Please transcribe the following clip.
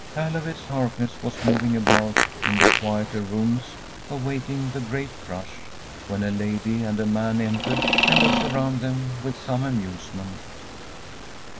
Caleb S. Harkness was moving about in the quieter rooms, awaiting the great crush, when a lady and a man entered and looked around them with some amusement.